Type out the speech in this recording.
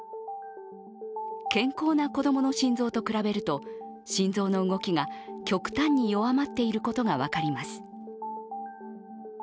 健康な子供の心臓と比べると心臓の動きが極端に弱まっていることが分かります。